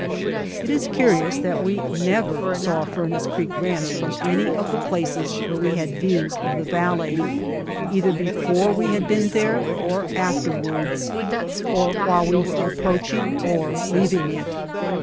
It is curious that we never saw Furnace Creek Ranch from any of the places where we had views of the valley, either before we had been there or after wards, or while we were approaching or leaving it.